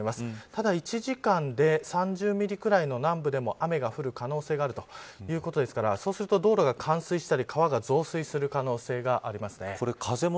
ただ１時間で３０ミリくらいの南部でも雨が降る可能性があるということですからそうすると道路が冠水したり川が増水する可能性があります。